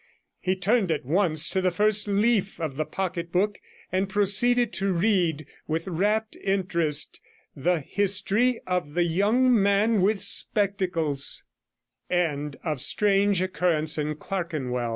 He turned at once to the first leaf of the pocket book, and proceeded to read with rapt interest the HISTORY OF THE YOUNG MAN WITH SPECTACLES From the filthy and obscure lodging, situated, I